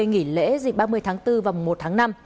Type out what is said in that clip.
nghỉ lễ dịp ba mươi tháng bốn và một tháng năm